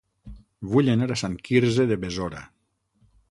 Vull anar a Sant Quirze de Besora